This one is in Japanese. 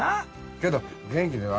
けど元気でな。